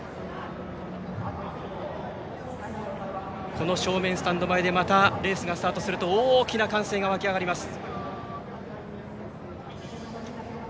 この正面スタンド前でまたレースがスタートすると大きな歓声が沸き上がります。